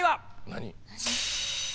何？